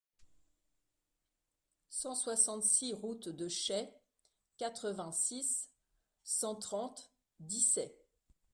cent soixante-six route de Chaix, quatre-vingt-six, cent trente, Dissay